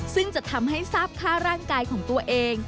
ซึ่งจะทำให้ทราบค่าร่างกายของตัวเอง